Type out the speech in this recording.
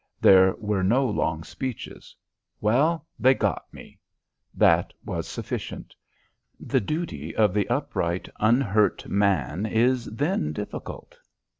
There were no long speeches. "Well, they got me." That was sufficient. The duty of the upright, unhurt, man is then difficult.